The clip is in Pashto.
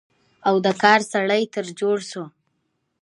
او د کار سړى تر جوړ شو،